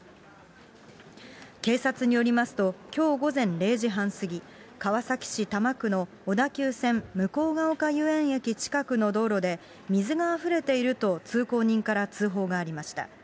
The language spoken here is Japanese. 警察によりますときょう午前０時半過ぎ、川崎市多摩区の小田急線向ヶ丘遊園駅近くの道路で、水があふれていると、通行人から通報がありました。